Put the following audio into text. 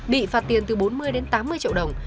bị phạt tiền từ bốn mươi đến tám mươi triệu đồng